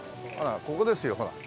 ここですよほら。